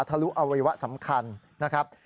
ลุอวัยวะสำคัญนะครับ